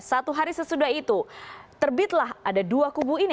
satu hari sesudah itu terbitlah ada dua kubu ini